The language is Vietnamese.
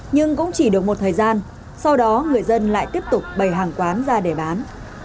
nhưng cũng chỉ được một thời gian sau đó người dân lại tiếp tục bày hàng quán ra để bán